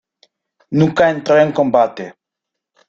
Nunca entró en combate.